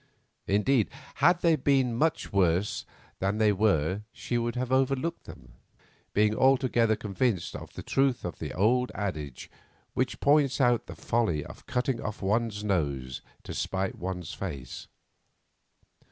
Indeed, had they been much worse than they were she would have overlooked them, being altogether convinced of the truth of the old adage which points out the folly of cutting off one's nose to spite one's face.